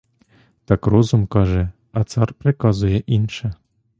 Так розум каже, а цар приказує інше.